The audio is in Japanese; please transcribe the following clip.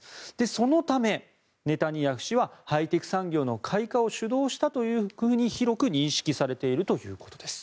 そのためネタニヤフ氏はハイテク産業の開花を主導したというふうに広く認識されているということです。